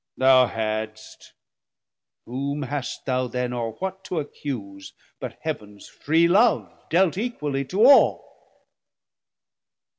Thou hadst: whom hast thou then or what to accuse, But Heav'ns free Love dealt equally to all?